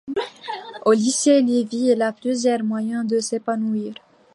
Au lycée Livet, il y a plusieurs moyens de s'épanouir...